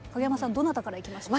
どなたからいきましょう？